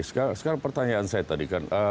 sekarang pertanyaan saya tadi kan